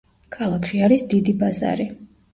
ქალაქში არის დიდი ბაზარი.